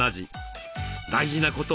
大事なことは。